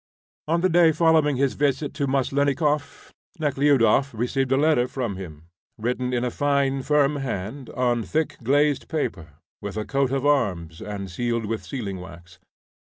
On the day following his visit to Maslennikoff, Nekhludoff received a letter from him, written in a fine, firm hand, on thick, glazed paper, with a coat of arms, and sealed with sealing wax.